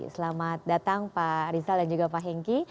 selamat datang pak rizal dan juga pak hengki